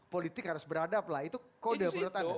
politik harus beradab lah itu kode berutang